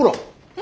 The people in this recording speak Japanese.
え？